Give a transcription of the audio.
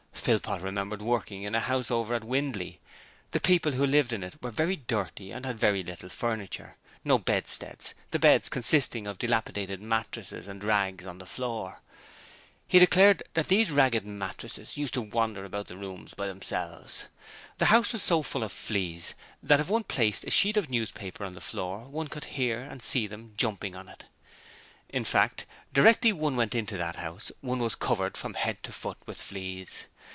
Philpot remembered working in a house over at Windley; the people who lived in it were very dirty and had very little furniture; no bedsteads, the beds consisting of dilapidated mattresses and rags on the floor. He declared that these ragged mattresses used to wander about the rooms by themselves. The house was so full of fleas that if one placed a sheet of newspaper on the floor one could hear and see them jumping on it. In fact, directly one went into that house one was covered from head to foot with fleas!